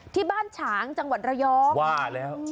ที่บ้านฉางจังหวัดระยองน่ะนี่อ๋อว่าแล้ว